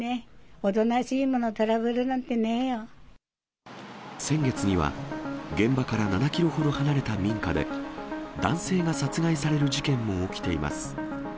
おとなしいもの、先月には、現場から７キロほど離れた民家で、男性が殺害される事件も起きています。